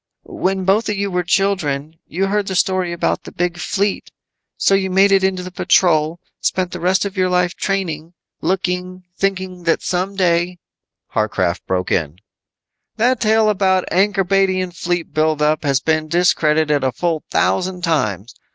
"When both of you were children you heard the story about the Big Fleet. So you made it into the Patrol, spent the rest of your life training, looking, thinking that some day " Warcraft broke in, "That tale about an Ankorbadian fleet build up has been discredited a full thousand times.